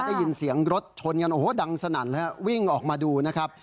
ได้ยินเสียงรถชนกันโอ้โหดังสนั่นฮะวิ่งออกมาดูนะครับ